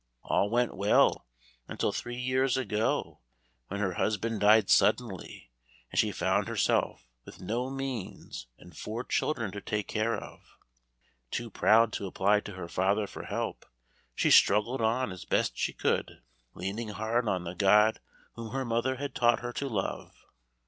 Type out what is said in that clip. All went well, until three years ago, when her husband died suddenly, and she found herself with no means and four children to take care of. Too proud to apply to her father for help, she struggled on as best she could, leaning hard on the God whom her mother had taught her to love.